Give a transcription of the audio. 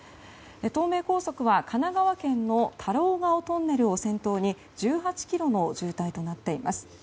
東名高速は神奈川県の太郎ヶ尾トンネルを先頭に１８ｋｍの渋滞となっています。